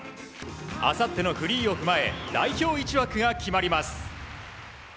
あさってのフリーを踏まえ代表１枠が決まります。